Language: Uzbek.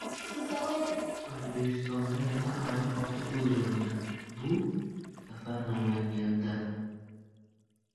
O‘zbekistonda yana ayiq otib o‘ldirildi. Bu safar Namanganda